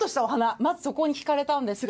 まずそこに引かれたんですけど。